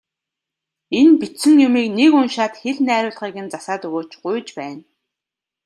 Энэ бичсэн юмыг нэг уншаад хэл найруулгыг нь засаад өгөөч, гуйж байна.